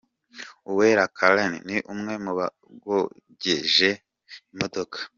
Uwera Karen ni umwe mu bogeje imodoka.